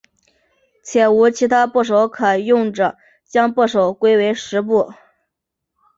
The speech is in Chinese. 且无其他部首可用者将部首归为石部。